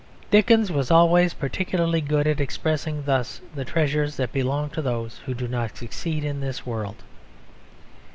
Dickens was always particularly good at expressing thus the treasures that belong to those who do not succeed in this world.